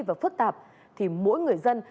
và phức tạp thì mỗi người dân